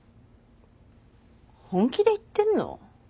本気で言ってんの？